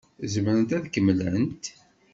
Zemrent ad kemmlent?